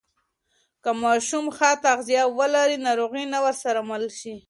که ماشوم ښه تغذیه ولري، ناروغي نه ورسره مل شي.